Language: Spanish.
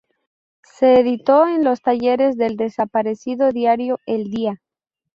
Se editó en los talleres del desaparecido diario "El Día".